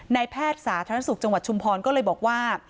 แพทย์สาธารณสุขจังหวัดชุมพรก็เลยบอกว่า